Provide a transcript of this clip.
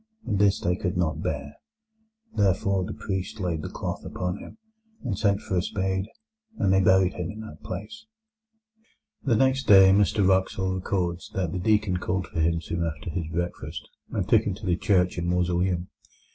And this they could not bear. Therefore the priest laid the cloth upon him, and sent for a spade, and they buried him in that place." The next day Mr Wraxall records that the deacon called for him soon after his breakfast, and took him to the church and mausoleum.